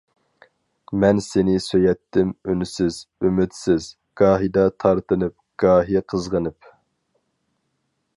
مەن سېنى سۆيەتتىم ئۈنسىز، ئۈمىدسىز، گاھىدا تارتىنىپ، گاھى قىزغىنىپ.